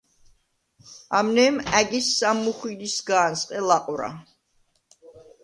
ამნე̄მ ა̈გის სამ მუხვირისგ’ა̄ნსყე ლაყვრა.